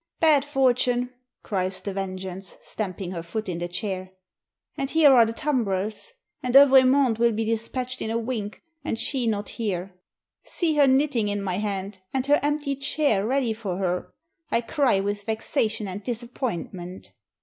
"Bad Fortune!" cries The Vengeance, stamping her foot in the chair, "and here are the tumbrels! And Evremonde will be dispatched in a wink, and she not here. See her knitting in my hand, and her empty chair ready for her. I cry with vexation and disappointment!"